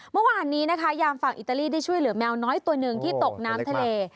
เมื่อวานนี้นะคะยามฝั่งอิตาลีได้ช่วยเหลือแมวน้อยตัวหนึ่งที่ตกน้ำทะเล